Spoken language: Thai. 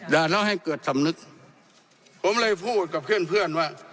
ด่าดแล้วให้เกิดสำนึกผมเลยพูดกับเพื่อนว่า